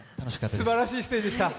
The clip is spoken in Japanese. すばらしいステージでした。